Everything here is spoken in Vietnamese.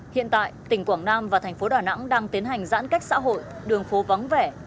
hiện tại tỉnh quảng nam và thành phố đà nẵng đang tiến hành giãn cách xã hội đường phố vắng vẻ